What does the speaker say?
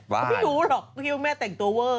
ก็ไม่รู้หรอกพี่ว่าแม่แต่งตัวเวอร์